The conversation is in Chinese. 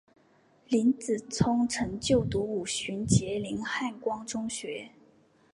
林子聪曾就读五旬节林汉光中学。